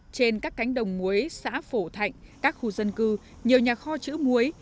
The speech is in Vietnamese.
trên các cánh đồng muối xã phổ thạnh các khu dân cư nhiều nhà kho chữ muối